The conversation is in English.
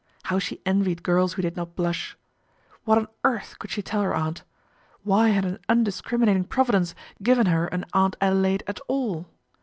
How she envied girls who did not blush. What on earth could she tell her aunt ? Why had an undiscriminating Providence given her an Aunt Adelaide at all